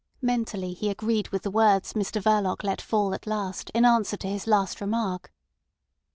Mentally he agreed with the words Mr Verloc let fall at last in answer to his last remark.